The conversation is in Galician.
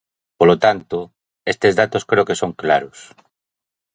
Polo tanto, estes datos creo que son claros.